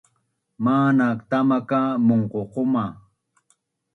Manak tama ka munququma